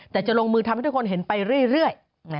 แต่จะลงมือทำให้ทุกคนเห็นไปเรื่อย